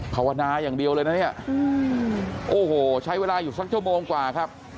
ภาวนาอย่างเดียวเลยนะเนี่ยโอ้โหใช้เวลาอยู่สักชั่วโมงกว่าครับ